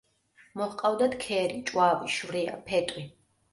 მოჰყავდათ ქერი, ჭვავი, შვრია, ფეტვი.